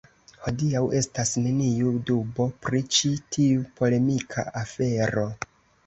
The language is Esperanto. Hodiaŭ estas neniu dubo pri ĉi tiu polemika afero.